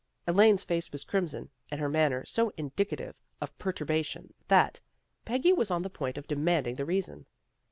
Elaine's face was crimson, and her manner so indicative of perturbation that Peggy was on the point of demanding the reason.